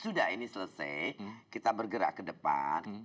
sudah ini selesai kita bergerak ke depan